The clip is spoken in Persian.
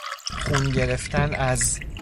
خون گرفتن از...